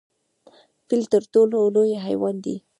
فیل تر ټولو لوی حیوان دی؟